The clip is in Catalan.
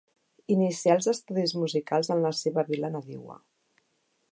Inicià els estudis musicals en la seva vila nadiua.